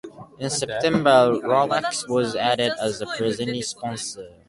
In September, Rolex was added as the presenting sponsor.